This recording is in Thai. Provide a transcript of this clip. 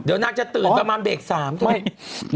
เดี๋ยวน่าจะตื่นประมาณเด็ก๓จริง